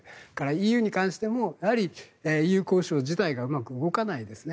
ＥＵに関してもＥＵ交渉自体がうまく動かないですね。